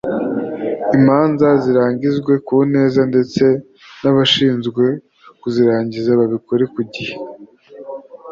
imanza zirangizwe ku neza ndetse n abashinzwe kuzirangiza babikore ku gihe